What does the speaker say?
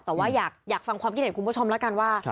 แต่ว่าอยากฟังความคิดเห็นคุณผู้ชมแล้วกันว่า